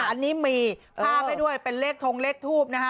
อันนี้มีภาพให้ด้วยเป็นเลขทงเลขทูบนะฮะ